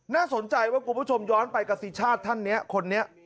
น่าสนใจว่าคุณผู้ชมย้อนไปกับสิชาติท่านนี้คนนี้